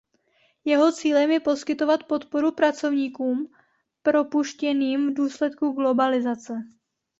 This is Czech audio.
Jeho cílem je poskytovat podporu pracovníkům propuštěným v důsledku globalizace.